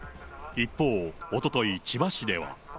一方、おととい、千葉市では。